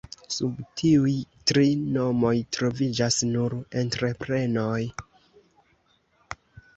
Sub tiuj tri nomoj troviĝas nur entreprenoj.